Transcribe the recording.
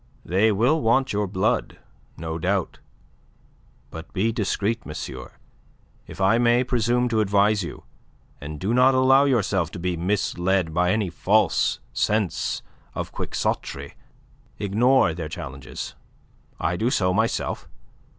They will want your blood, no doubt. But be discreet, monsieur, if I may presume to advise you, and do not allow yourself to be misled by any false sense of quixotry. Ignore their challenges. I do so myself.